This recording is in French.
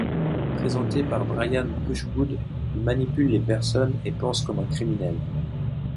Présenté par Brian Brushwood il manipule les personnes, et pense comme un criminel.